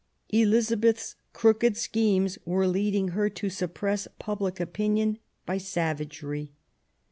Elizabeth's crooked schemes were leading her to suppress public opinion by savagery.